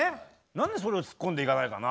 何でそれをツッコんでいかないかな？